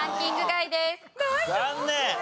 残念！